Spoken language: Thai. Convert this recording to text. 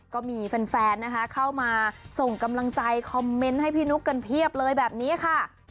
ก็มีแฟนนะคะเข้ามาส่งกำลังใจคอมเมนต์ให้พี่นุ๊กกันเพียบเลยแบบนี้ค่ะ